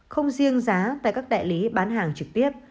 không riêng giá tại các đại lý bán hàng trực tiếp